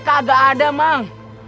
kagak ada mang